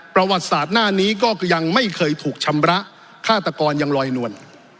ประวัติศาสตร์หน้านี้ก็ยังไม่เคยถูกชำระฆาตกรยังลอยนวล